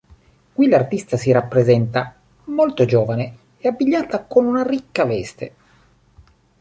Qui l'artista si rappresenta molto giovane e abbigliata con una ricca veste.